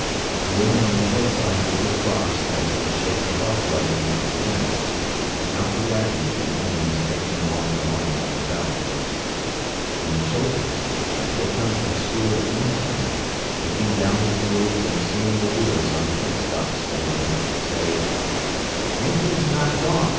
The women on the hillside look across as they shake the hearthrug against the fence, and count the wagons the engine is taking along the line up the valley. And the children, as they come from school at dinner time, looking down the fields and seeing the wheels on the headstocks standing, say: "Minton's knocked off.